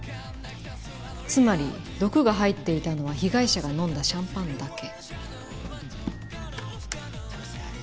つまり毒が入っていたのは被害者が飲んだシャンパンだけ。